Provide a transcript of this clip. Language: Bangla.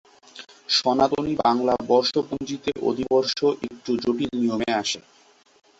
সনাতনী বাংলা বর্ষপঞ্জিতে অধিবর্ষ একটু জটিল নিয়মে আসে।